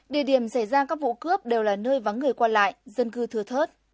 địa điểm xảy ra các vụ cướp đều là nơi vắng người qua lại dân cư thừa thớt